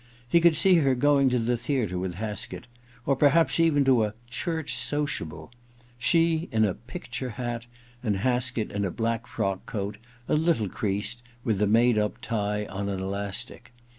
He could see her going to the theatre with Haskett — or perhaps even to a • Church Sociable '— she in a * picture hat ' and Haskett in a black frock coat, a little creased, with the made up tie on an elastic.